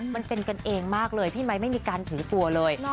มันเป็นกันเองมากเลยพี่ไมค์ไม่มีการถือตัวเลย